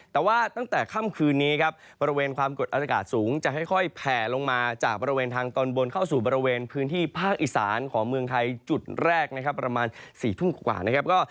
แต่ว่าตั้งแต่ค่ำคืนนี้ครับบริเวณความกดอากาศสูงจะค่อยแผ่ลงมาจากบริเวณทางตอนบนเข้าสู่บริเวณพื้นที่ภาคอีสานของเมืองไทยจุดแรกนะครับประมาณ๔ทุ่มกว่านะครับ